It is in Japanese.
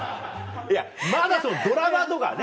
まだドラマとかね